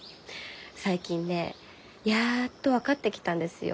最近ねやっと分かってきたんですよ。